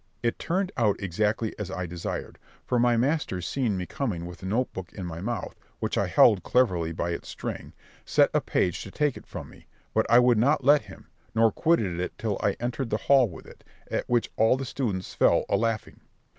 It turned out exactly as I desired; for my masters seeing me coming with the note book in my mouth, which I held cleverly by its string, sent a page to take it from me; but I would not let him, nor quitted it till I entered the hall with it, at which all the students fell a laughing.